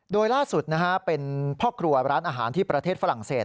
โดยล่าสุดเป็นพ่อครัวร้านอาหารที่ประเทศฝรั่งเศส